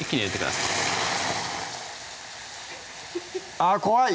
あぁ怖い！